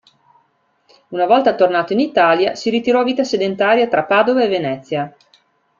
Una volta tornato in Italia, si ritirò a vita sedentaria tra Padova e Venezia.